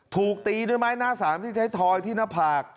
ถูกตีด้วยไม้หน้าสามที่ไทยทอยที่หน้าผาก